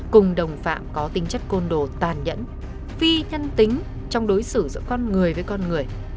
cùng đồng phạm có tính chất côn đồ tàn nhẫn phi nhân tính trong đối xử giữa con người với con người